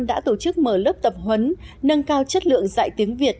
đã tổ chức mở lớp tập huấn nâng cao chất lượng dạy tiếng việt